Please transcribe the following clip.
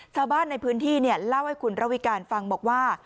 ชาวบ้านในพื้นที่เล่าให้คุณระวิการฟังบอกว่า